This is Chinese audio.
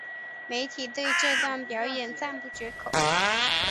媒体对这段表演赞不绝口。